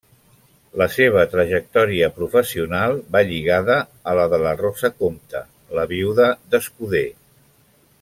La seva trajectòria professional va lligada a la de Rosa Compte, la viuda d'Escuder.